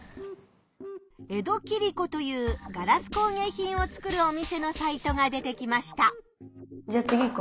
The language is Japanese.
「江戸切子」というガラス工げい品を作るお店のサイトが出てきました。